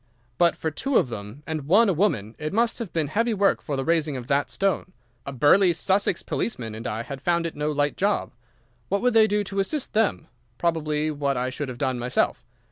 "But for two of them, and one a woman, it must have been heavy work the raising of that stone. A burly Sussex policeman and I had found it no light job. What would they do to assist them? Probably what I should have done myself.